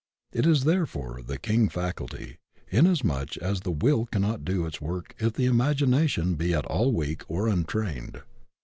It is therefore the King faculty, inasmuch as the Will cannot do its work if the Imagination be at all weak or untrained.